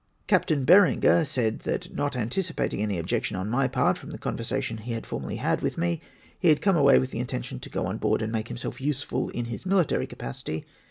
Captain Eerenger said that not anticipating any objection on my part, from the conversation he had formerly had with me, he had come away with intention to go on board and make himself useful in his military capacity.